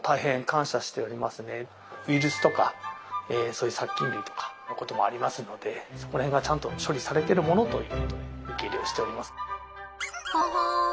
ウイルスとかそういう殺菌類とかのこともありますのでそこら辺がちゃんと処理されてるものということで受け入れをしております。